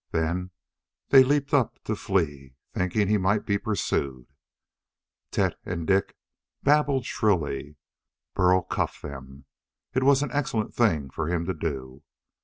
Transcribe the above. Then they leaped up to flee, thinking he might be pursued. Tet and Dik babbled shrilly. Burl cuffed them. It was an excellent thing for him to do.